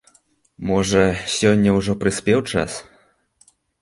Можа, сёння ўжо прыспеў час?